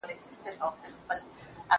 زه اوږده وخت پلان جوړوم وم!؟